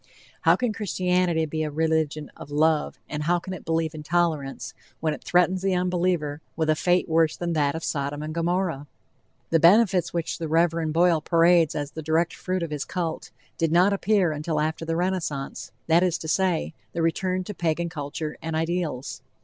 How can Christianity be a religion of love, and how can it believe in tolerance, when it threatens the unbeliever with a fate worse than that of Sodom and Gomorrah? The benefits which the Rev. Boyle parades as the direct fruit of his cult, did not appear until after the Renaissance, that is to say, the return to Pagan culture and ideals.